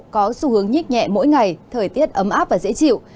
có xu hướng nhích nhẹ mỗi ngày thời tiết ấm áp và dễ chịu